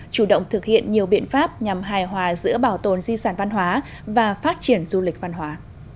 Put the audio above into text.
chủ động thực hiện nhiều biện pháp nhằm hài hòa giữa bảo tồn di sản văn hóa và phát triển du lịch văn hóa